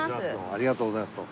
ありがとうございます。